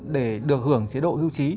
để được hưởng chế độ hưu trí